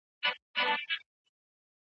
سیاستوال چیري نړیوالي غونډي تنظیموي؟